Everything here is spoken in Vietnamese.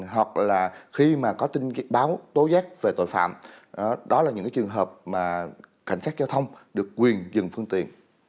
hoặc là khi mà có tin cái báo tố giác về tội phạm đó là những trường hợp mà cảnh sát giao thông được quyền dừng phương tiện